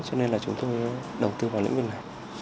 cho nên là chúng tôi đầu tư vào lĩnh vực này